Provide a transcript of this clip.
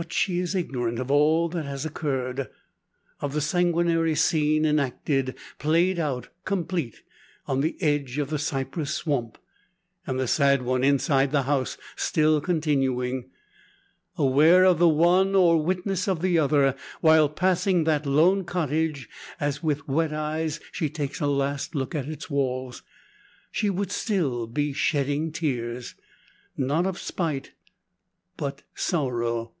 But she is ignorant of all that has occurred; of the sanguinary scene enacted played out complete on the edge of the cypress swamp, and the sad one inside the house still continuing. Aware of the one, or witness of the other, while passing that lone cottage, as with wet eyes she takes a last look at its walls, she would still be shedding tears not of spite, but sorrow.